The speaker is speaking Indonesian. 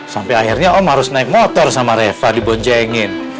sampe akhirnya om harus naik motor sama reva di bonjengin